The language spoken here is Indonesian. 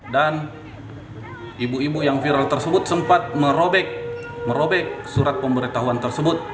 dan ibu ibu yang viral tersebut sempat merobek surat pemberitahuan tersebut